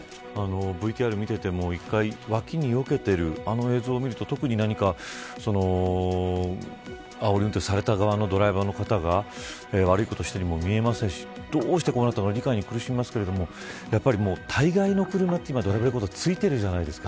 ＶＴＲを見ていても１回脇によけてる映像を見ると特に何かあおり運転された側のドライバーの方が悪いことしているようにも見えませんしどうしてこうなったのか理解に苦しますけど今、たいがいの車にはドライブレコーダー付いてるじゃないですか。